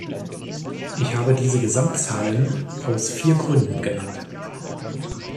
Ich habe diese Gesamtzahlen aus vier Gründen genannt.